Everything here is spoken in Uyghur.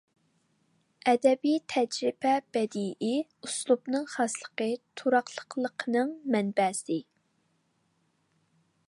ئەدەبىي تەجرىبە بەدىئىي ئۇسلۇبنىڭ خاسلىقى، تۇراقلىقلىقىنىڭ مەنبەسى.